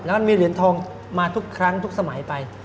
แล้วมันมีเหรียญทองมาทุกครั้งทุกสมัยไป